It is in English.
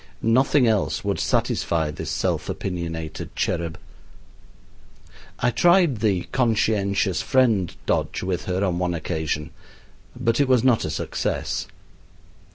Nothing else would satisfy this self opinionated cherub. I tried the conscientious friend dodge with her on one occasion, but it was not a success.